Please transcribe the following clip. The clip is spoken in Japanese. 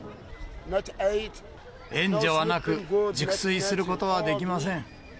援助はなく、熟睡することはできません。